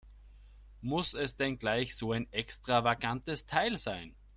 Muss es denn gleich so ein extravagantes Teil sein?